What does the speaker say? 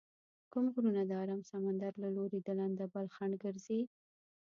کوم غرونه د ارام سمندر له لوري د لندبل خنډ ګرځي؟